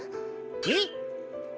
えっ？